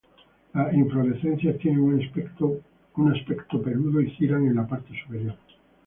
Las inflorescencias tienen un aspecto peludo y giran en la parte superior.